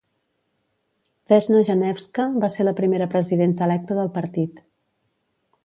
Vesna Janevska va ser la primera presidenta electa del partit.